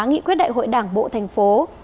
nghị quyết đại hội đảng bộ thành phố